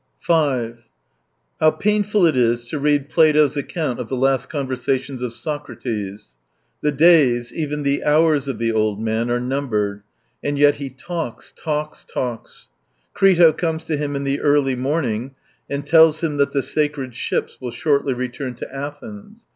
5 How painful it is to read Plato's account of the last conversations of Socrates ! The days, even the hours of the old man are numbered, and yet he talks, talks, talks. ... Crito comes to him in the early morning and tells him that the sacred ships will shortly return to Athens.